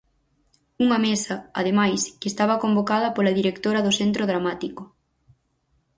Unha mesa, ademais, que estaba convocada pola directora do Centro Dramático.